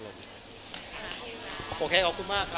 ส่วนน้องอินทร์ก็เรียกว่า